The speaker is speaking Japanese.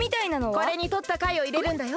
これにとったかいをいれるんだよ。